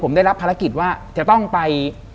ผมได้รับภารกิจว่าจะต้องไป